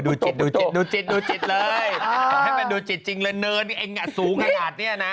ดูจิตเลยให้มันดูจิตจริงเลยเนินไอ้ง่ะสูงขนาดนี้นะ